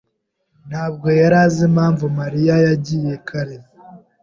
ntabwo yari azi impamvu Mariya yagiye kare.